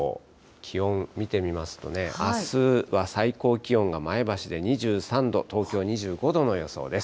気温見てみますとね、あすは最高気温が前橋で２３度、東京２５度の予想です。